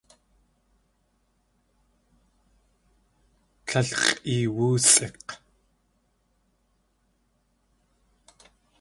Líl x̲ʼeewóosʼik̲!